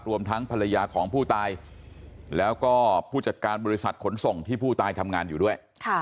รวมทั้งภรรยาของผู้ตายแล้วก็ผู้จัดการบริษัทขนส่งที่ผู้ตายทำงานอยู่ด้วย